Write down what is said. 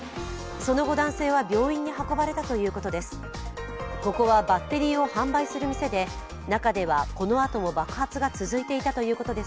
その後男性は病院に運ばれたということです。